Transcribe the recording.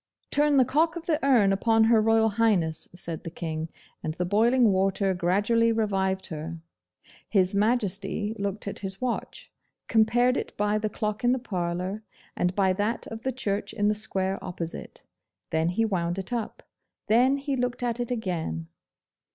'Turn the cock of the urn upon Her Royal Highness,' said the King, and the boiling water gradually revived her. His Majesty looked at his watch, compared it by the clock in the parlour, and by that of the church in the square opposite; then he wound it up; then he looked at it again.